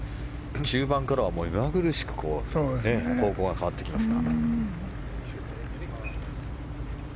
中盤からは、めまぐるしく方向が変わってきますが。